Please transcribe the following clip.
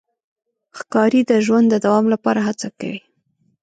ښکاري د ژوند د دوام لپاره هڅه کوي.